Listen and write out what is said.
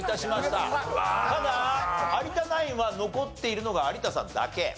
ただ有田ナインは残っているのが有田さんだけ。